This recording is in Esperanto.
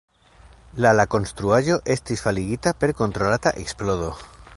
La la konstruaĵo estis faligita per kontrolata eksplodo.